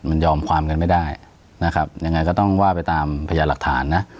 มันยอมความกันไม่ได้นะครับยังไงก็ต้องว่าไปตามพยานหลักฐานนะ